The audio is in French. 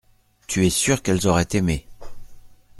Tu es sûr qu’elles auraient aimé.